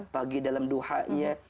pagi dalam duhanya